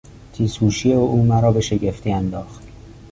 تیز هوشی او مرا به شگفتی انداخت.